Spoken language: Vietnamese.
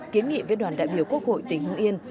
kiến nghị với đoàn đại biểu quốc hội tỉnh hưng yên